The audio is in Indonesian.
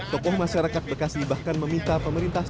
tokoh masyarakat bekasi bahkan meminta pemerintah